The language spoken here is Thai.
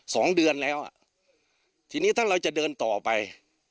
สองเดือนแล้วอ่ะทีนี้ถ้าเราจะเดินต่อไป